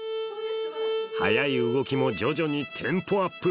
速い動きも徐々にテンポアップ